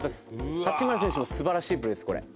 八村選手も素晴らしいプレーです、これ。